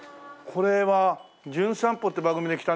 これは『じゅん散歩』っていう番組で来た。